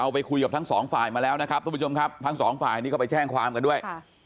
ไปคุยกับทั้งสองฝ่ายมาแล้วนะครับทุกผู้ชมครับทั้งสองฝ่ายนี้ก็ไปแจ้งความกันด้วย